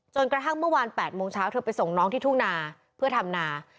กระทั่งเมื่อวาน๘โมงเช้าเธอไปส่งน้องที่ทุ่งนาเพื่อทำนา